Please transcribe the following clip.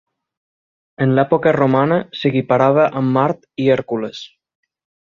En l'època romana, s'equiparava amb Mart i Hèrcules.